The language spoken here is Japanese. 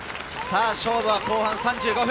勝負は後半３５分。